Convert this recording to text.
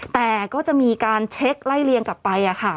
แต่ก็จะมีการเช็คไล่เลียงกลับไป